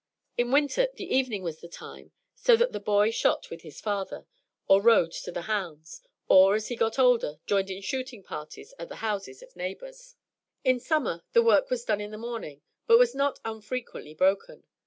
In winter the evening was the time, so that the boy shot with his father, or rode to the hounds, or, as he got older, joined in shooting parties at the houses of neighbors. In summer the work was done in the morning, but was not unfrequently broken.